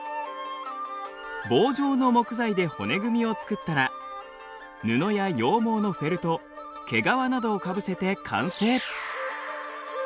棒状の木材で骨組みを作ったら布や羊毛のフェルト毛皮などをかぶせて完成。